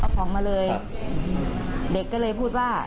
เอาของมาเลยเด็กก็เลยพูดว่า